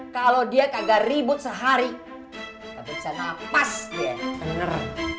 kalau dia kagak ribut sehari nggak bisa napas dia bener